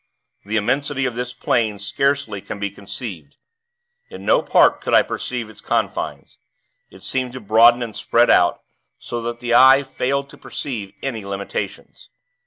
The immensity of this plain scarcely can be conceived. In no part could I perceive its confines. It seemed to broaden and spread out, so that the eye failed to perceive any limitations.